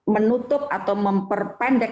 menutup atau memperpendek